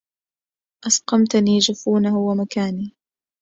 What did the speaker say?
أسقمتني جفونه ومكاني